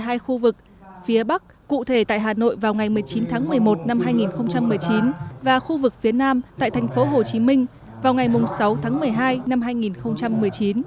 tại hai khu vực phía bắc cụ thể tại hà nội vào ngày một mươi chín tháng một mươi một năm hai nghìn một mươi chín và khu vực phía nam tại thành phố hồ chí minh vào ngày sáu tháng một mươi hai năm hai nghìn một mươi chín